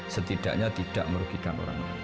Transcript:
setidaknya tidak merugikan orang lain